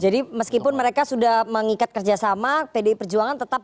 jadi meskipun mereka sudah mengikat kerjasama pdi perjuangan tetap